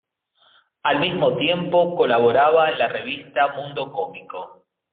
Al mismo tiempo colaboraba en la revista "Mundo Cómico".